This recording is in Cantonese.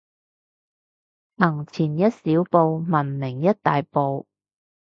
行前一小步，文明一大步